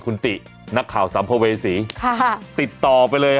คุณตินักข่าวสำหรับเวสีค่ะติดต่อไปเลยค่ะ